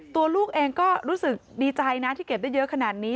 ลูกเองก็รู้สึกดีใจนะที่เก็บได้เยอะขนาดนี้